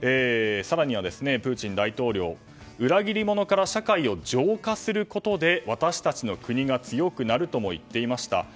更にはプーチン大統領裏切り者から社会を浄化することで私たちの国が強くなるとも言っていました。